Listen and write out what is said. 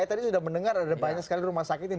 saya tadi sudah mendengar ada banyak sekali rumah sakit yang